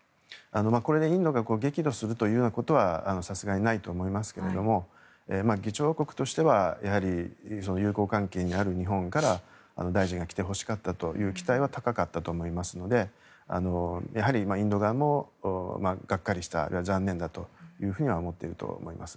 これでインドが激怒するということはさすがにないと思いますけれども議長国としてはやはり友好関係にある日本から大臣が来てほしかったという期待は高かったと思いますのでやはりインド側もがっかりしたあるいは残念だと思っていると思います。